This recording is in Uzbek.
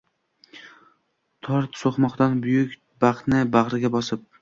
Tor so’qmoqdan buyuk baxtni bag’riga bosib